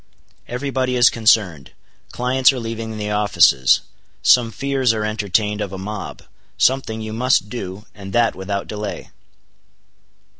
Every body is concerned; clients are leaving the offices; some fears are entertained of a mob; something you must do, and that without delay."